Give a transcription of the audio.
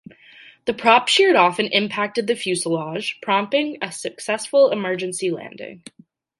The prop sheared off and impacted the fuselage, prompting a successful emergency landing.